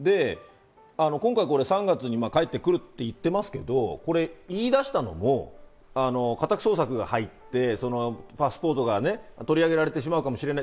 今回、これ３月に帰ってくると言ってますけど、これを言い出したのも家宅捜索が入ってパスポートが取り上げられてしまうかもしれない。